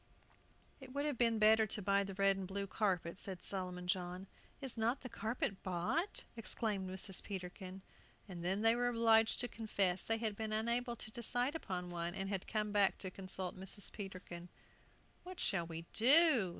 "It would have been better to buy the red and blue carpet," said Solomon John. "Is not the carpet bought?" exclaimed Mrs. Peterkin. And then they were obliged to confess they had been unable to decide upon one, and had come back to consult Mrs. Peterkin. "What shall we do?"